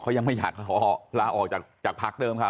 เขายังไม่อยากรอลาออกจากพักเดิมค่ะ